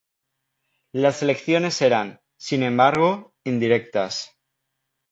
Las elecciones eran, sin embargo, indirectas.